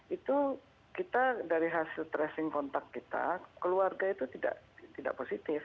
itu kita dari hasil tracing kontak kita keluarga itu tidak positif